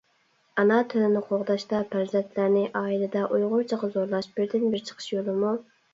ئانا تىلنى قوغداشتا پەرزەنتلەرنى ئائىلىدە ئۇيغۇرچىغا زورلاش بىردىنبىر چىقىش يولىمۇ؟